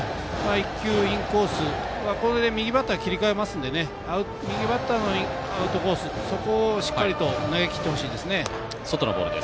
１球、インコース右バッターに切り替わりますので右バッターのアウトコース、そこをしっかりと投げきってほしいです。